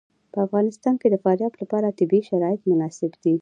په افغانستان کې د فاریاب لپاره طبیعي شرایط مناسب دي.